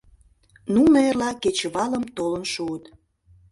— Нуно эрла кечывалым толын шуыт.